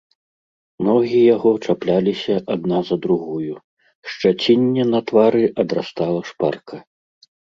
Ногі яго чапляліся адна за другую, шчацінне на твары адрастала шпарка.